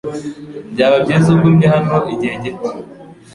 Byaba byiza ugumye hano igihe gito.